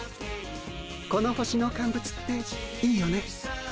この星のカンブツっていいよね。